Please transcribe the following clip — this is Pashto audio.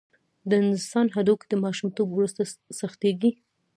د انسان هډوکي د ماشومتوب وروسته سختېږي.